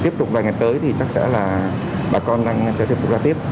tiếp tục vài ngày tới thì chắc chắn là bà con sẽ tiếp tục ra tiếp